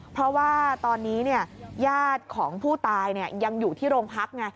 เพราะว่าตอนนี้ญาติของผู้ตายยังอยู่ที่โรงพักไง